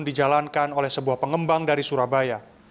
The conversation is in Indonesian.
dijalankan oleh sebuah pengembang dari surabaya